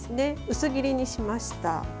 薄切りにしました。